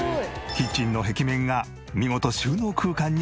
キッチンの壁面が見事収納空間に変身。